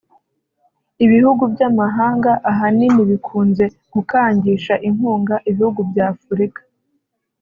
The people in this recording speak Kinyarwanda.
Ibihugu by’amahanga ahanini bikunze gukangisha inkunga ibihugu by’Afurika